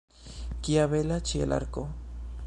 Kia bela ĉielarko!